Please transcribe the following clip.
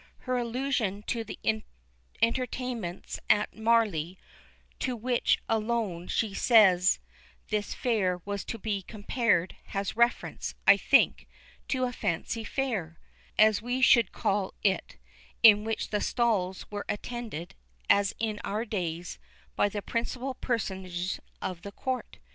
Her allusion to the entertainments at Marly, to which alone she says this fair was to be compared, has reference, I think, to a "Fancy Fair," as we should now call it, in which the stalls were attended, as in our days, by the principal personages of the Court.